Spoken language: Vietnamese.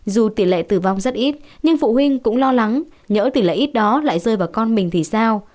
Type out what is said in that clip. dù tỷ lệ tử vong rất ít nhưng phụ huynh cũng lo lắng nhỡ tỷ lệ ít đó lại rơi vào con mình vì sao